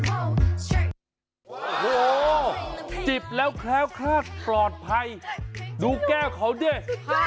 โอ้โหจิบแล้วแคล้วคลาดปลอดภัยดูแก้วเขาดิ